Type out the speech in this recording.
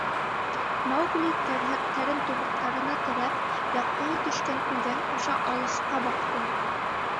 Маугли терһәктәрен тубыҡтарына терәп, яҡтыһы төшкән үҙән аша алыҫҡа баҡты.